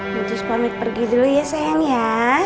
mujus pamit pergi dulu ya sayang ya